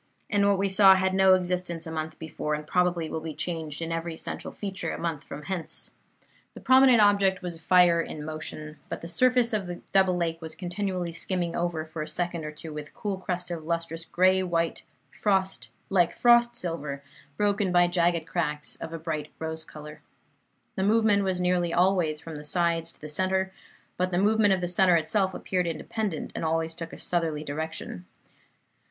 And what we saw had no existence a month before, and probably will be changed in every essential feature a month from hence. The prominent object was fire in motion; but the surface of the double lake was continually skimming over for a second or two with a cool crust of lustrous grey white, like frost silver, broken by jagged cracks of a bright rose color. The movement was nearly always from the sides to the centre; but the movement of the centre itself appeared independent, and always took a southerly direction.